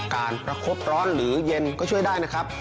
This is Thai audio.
การประคบร้อนหรือเย็นก็ช่วยได้นะครับ